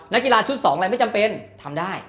นักกีฬาชุด๒อะไรไม่จำเป็นทำได้